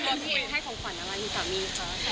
พี่ให้ของขวัญเอาไว้ถึง๓๗ชิ้น